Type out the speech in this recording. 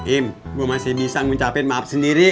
im gue masih bisa ngucapin maaf sendiri